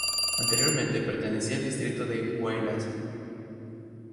Anteriormente pertenecía al distrito de Huaylas.